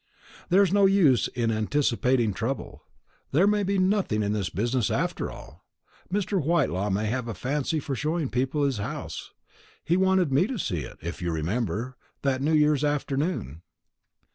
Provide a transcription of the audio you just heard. "There's no use in anticipating trouble. There may be nothing in this business after all. Mr. Whitelaw may have a fancy for showing people his house. He wanted me to see it, if you remember, that new year's afternoon."